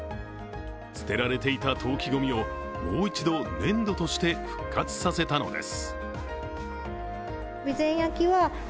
捨てられていた陶器ごみをもう一度、粘土として復活させたのです。